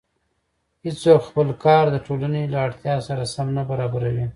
هېڅوک خپل کار د ټولنې له اړتیا سره سم نه برابروي